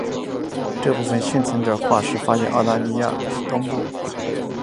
这部分幸存者的化石发现于澳大利亚东部及塔斯马尼亚岛上。